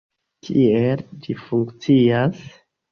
Kiel ĝi funkcias?